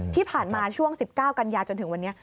ที่ผ่านมาช่วง๑๙กันยาจนถึงวันนี้